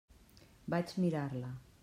Vaig mirar-la.